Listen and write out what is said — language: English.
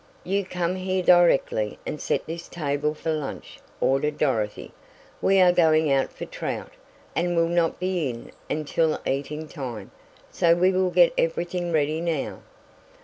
"You come here directly, and set this table for lunch," ordered Dorothy. "We are going out for trout, and will not be in until eating time, so we will get everything ready now."